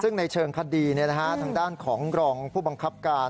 ซึ่งในเชิงคดีทางด้านของรองผู้บังคับการ